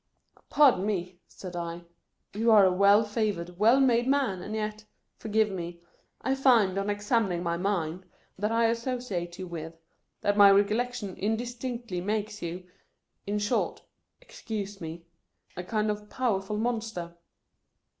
" Pardon me," said I, " you are a well favored, well made man, and yet — forgive me — I find, on examining my mind, that I asso ciate you with — that my recollection indis tinctly makes you, in short — excuse me — a kind of powerful monster."